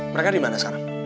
mereka di mana sekarang